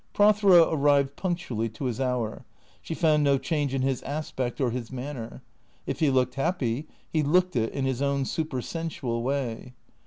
Prothero arrived punctually to his hour. She found no change in his aspect or his manner. If he looked happy, he looked it in his own supersensual way.